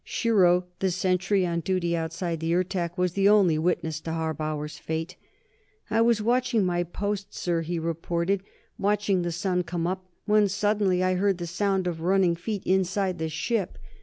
Shiro, the sentry on duty outside the Ertak, was the only witness to Harbauer's fate. "I was walking my post, sir," he reported, "watching the sun come up, when suddenly I heard the sound of running feet inside the ship.